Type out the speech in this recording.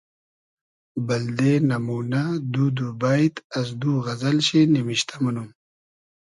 بئلدې نئمونۂ دو دو بݷت از دو غئزئل شی نیمشتۂ مونوم